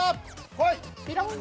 こい！